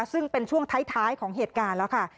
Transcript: ซึ่งเป็นช่วงท้ายของเหตุการณ์แล้วค่ะ